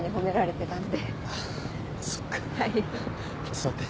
座って。